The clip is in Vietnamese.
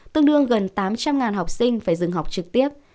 tương đương gần tám trăm linh học sinh phải dừng học trực tiếp